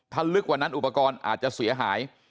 ถ้าลึกกว่านั้นอุปกรณ์อาจจะเสียหาย